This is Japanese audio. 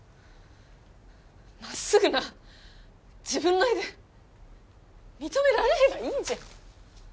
まっすぐな自分の絵で認められればいいじゃん